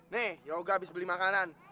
nih yoga habis beli makanan